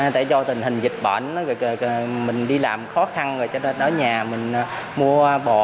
tại do tình hình dịch bệnh mình đi làm khó khăn rồi cho nên ở nhà mình mua bò